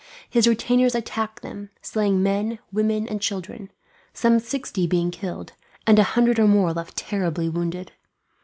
His retainers attacked them, slaying men, women, and children some sixty being killed, and a hundred or more left terribly wounded.